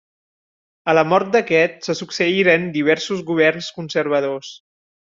A la mort d'aquest se succeïren diversos governs conservadors.